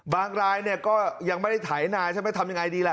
รายเนี่ยก็ยังไม่ได้ไถนาใช่ไหมทำยังไงดีล่ะ